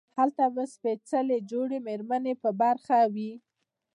او هلته به ئې سپېڅلې جوړې ميرمنې په برخه وي